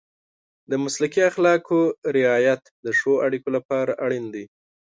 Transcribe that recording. د مسلکي اخلاقو رعایت د ښه اړیکو لپاره اړین دی.